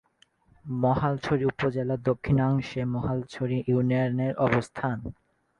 মহালছড়ি উপজেলার দক্ষিণাংশে মহালছড়ি ইউনিয়নের অবস্থান।